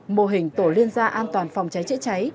mô hình tổ liên gia an toàn phòng cháy chữa cháy